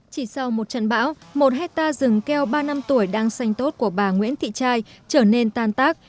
chỉ sau một trận bão một hectare rừng keo ba năm tuổi đang sanh tốt của bà nguyễn thị trai trở nên tan tác